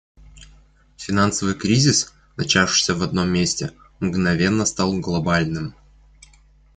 Финансовый кризис, начавшийся в одном месте, мгновенно стал глобальным.